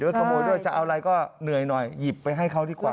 ขโมยด้วยจะเอาอะไรก็เหนื่อยหน่อยหยิบไปให้เขาดีกว่า